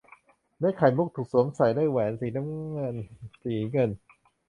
เม็ดไข่มุกถูกสวมใส่ด้วยแหวนสีน้ำเงินสีเงิน